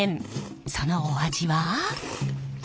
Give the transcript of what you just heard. そのお味は？